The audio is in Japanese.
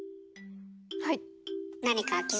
はい。